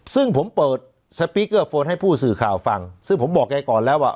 ซึ่งผมเปิดสปีกเกอร์โฟนให้ผู้สื่อข่าวฟังซึ่งผมบอกแกก่อนแล้วว่า